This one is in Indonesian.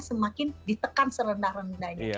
semakin ditekan serendah rendah